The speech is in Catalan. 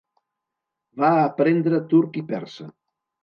Va aprendre turc i persa.